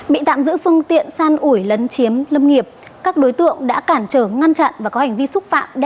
bị tạm giữ phương tiện san ủi lấn chiếm lâm nghiệp các đối tượng đã cản trở ngăn chặn và có hành vi xúc phạm